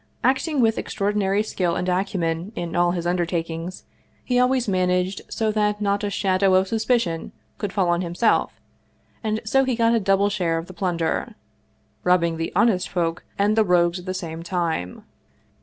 Acting with extraordinary skill and acumen in all his undertak ings he always managed so that not a shadow of suspi cion could fall on himself and so he got a double share of the plunder: robbing the honest folk and the rogues at the same time.